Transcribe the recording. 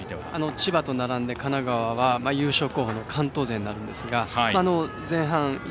千葉と並んで神奈川は優勝候補の関東勢になるんですが前半１、